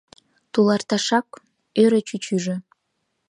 — Туларташак? — ӧрӧ чӱчӱжӧ.